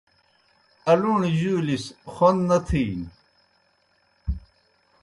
الُوݨیْ جُولیْ سہ خون نہ تِھینیْ۔